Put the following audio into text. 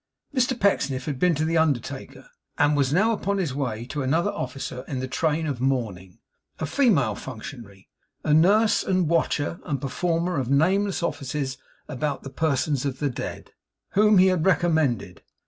Mr Pecksniff had been to the undertaker, and was now upon his way to another officer in the train of mourning a female functionary, a nurse, and watcher, and performer of nameless offices about the persons of the dead whom he had recommended.